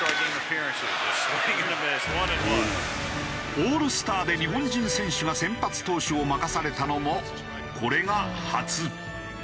オールスターで日本人選手が先発投手を任されたのもこれが初。